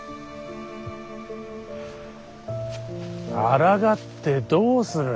あらがってどうする。